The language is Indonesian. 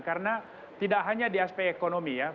karena tidak hanya di aspek ekonomi ya